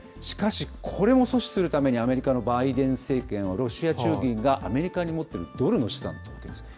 しかし、これも阻止するために、アメリカのバイデン政権は、ロシア中銀がアメリカに持っているドルの資産凍結。